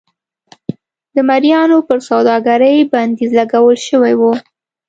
د مریانو پر سوداګرۍ بندیز لګول شوی و.